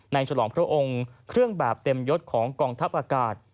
ฉลองพระองค์เครื่องแบบเต็มยศของกองทัพอากาศ